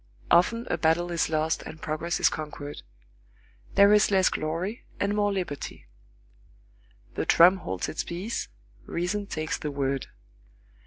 Often a battle is lost and progress is conquered. There is less glory and more liberty. The drum holds its peace; reason takes the word.